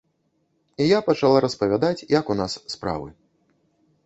І я пачала распавядаць, як у нас справы.